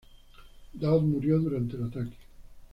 Daud murió durante el ataque.